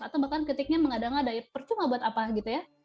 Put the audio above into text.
atau bahkan kritiknya mengadang adai percuma buat apa gitu ya